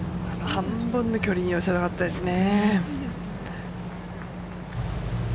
半分の距離に寄せたかったですね。